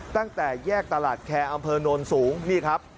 ตั้งแต่แยกตลาดแคร์อำเภอโนนสูงนี่ครับ